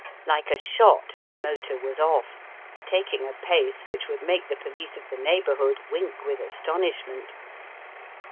Like a shot the motor was off, taking a pace which would make the police of the neighbourhood wink with astonishment.